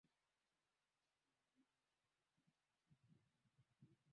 wazushi wananchi wenzao waliomuamini Yesu Kristo hasa baada ya